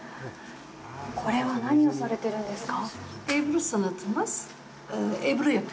これは何をされているんですか。